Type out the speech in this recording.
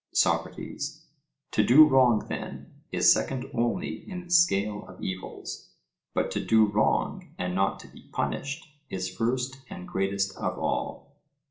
SOCRATES: To do wrong, then, is second only in the scale of evils; but to do wrong and not to be punished, is first and greatest of all?